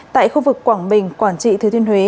tại khu vực quảng bình quảng trị thứ thiên huế